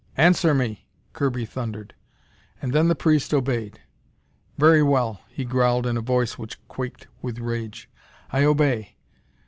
"Answer me!" Kirby thundered. And then the priest obeyed. "Very well," he growled in a voice which quaked with rage. "I obey.